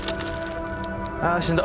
あしんど。